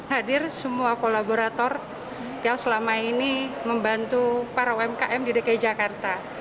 hadir semua kolaborator yang selama ini membantu para umkm di dki jakarta